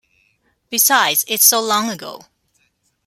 Besides, it’s so long ago.